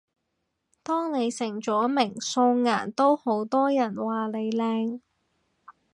當你成咗名，素顏都好多人話你靚